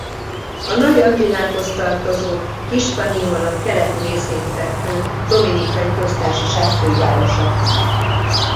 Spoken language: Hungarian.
A Nagy-Antillákhoz tartozó Hispaniola keleti részén fekvő Dominikai Köztársaság fővárosa.